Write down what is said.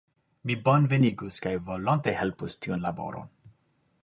Mi bonvenigus kaj volonte helpus tiun laboron.